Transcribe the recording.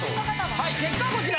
はい結果はこちら。